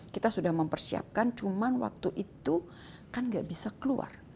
kita sudah mempersiapkan cuma waktu itu kan nggak bisa keluar